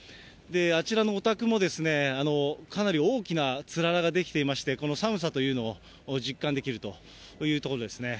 あちらのお宅も、かなり大きなつららが出来ていまして、この寒さというのを実感できるというところですね。